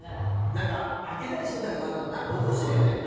なんか開けたり閉めたりもなんか音してるよね。